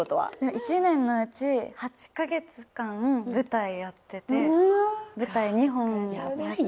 一年のうち８か月間舞台やってて舞台２本やって。